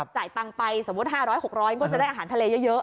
จ่ายตังค์ไปสมมุติ๕๐๐๖๐๐ก็จะได้อาหารทะเลเยอะ